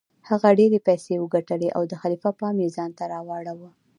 هغه ډیرې پیسې وګټلې او د خلیفه پام یې ځانته راواړوه.